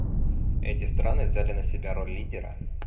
Эти страны взяли на себя роль лидера.